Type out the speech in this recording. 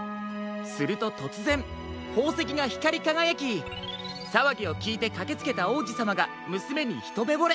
するととつぜんほうせきがひかりかがやきさわぎをきいてかけつけたおうじさまがむすめにひとめぼれ。